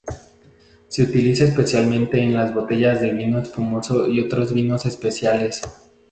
Se utiliza especialmente en las botellas de vino espumoso y otros vinos especiales.